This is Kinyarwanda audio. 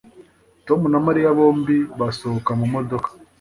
tom na mariya bombi basohoka mu modoka